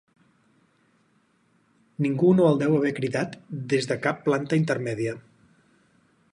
Ningú no el deu haver cridat des de cap planta intermèdia.